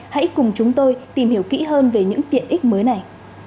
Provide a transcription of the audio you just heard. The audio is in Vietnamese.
hãy cùng chúng tôi tìm hiểu kỹ hơn về những tiện ích mới này